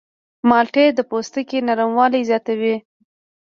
مالټې د پوستکي نرموالی زیاتوي.